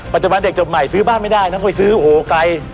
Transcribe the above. ปัจจุบันเด็กจบใหม่ซื้อบ้านไม่ได้นะไปซื้อโหไกล